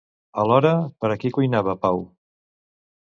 Alhora, per a qui cuinava Pau?